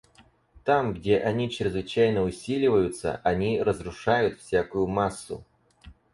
Там, где они чрезвычайно усиливаются, они разрушают всякую массу.